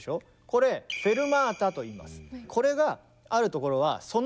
これフェルマータといいます。